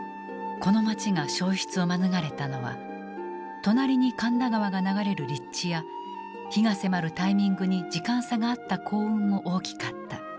この町が焼失を免れたのは隣に神田川が流れる立地や火が迫るタイミングに時間差があった幸運も大きかった。